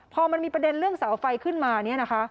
พอมันมีประเด็นเรื่องเสาไฟขึ้นมาเนี่ยนะคะ